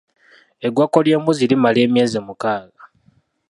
Eggwako ly'embuzi limala emyezi mukaaga.